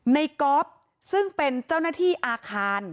ก๊อฟซึ่งเป็นเจ้าหน้าที่อาคาร